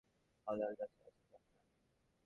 হলার কাছে আছে তার চাবি।